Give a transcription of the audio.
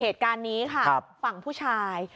เหตุการณ์นี้ค่ะฝั่งผู้ชาย